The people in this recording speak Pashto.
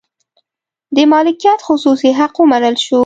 د مالکیت خصوصي حق ومنل شو.